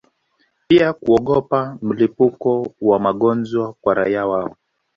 pia kuogopa mlipuko wa magonjwa kwa raia wao